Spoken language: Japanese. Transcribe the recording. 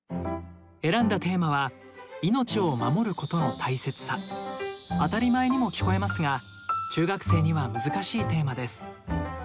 選んだテーマは当たり前にも聞こえますが中学生には難しいテーマです。